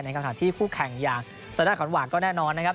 ในคำถามที่คู่แข่งอย่างสนักขันวาดก็แน่นอนนะครับ